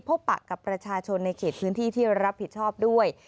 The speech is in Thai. ปะกับประชาชนในเขตพื้นที่ที่รับผิดชอบด้วย